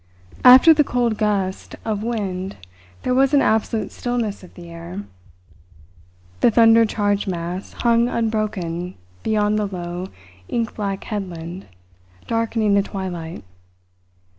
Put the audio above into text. After the cold gust of wind there was an absolute stillness of the air. The thunder charged mass hung unbroken beyond the low, ink black headland, darkening the twilight.